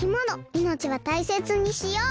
いのちはたいせつにしよう。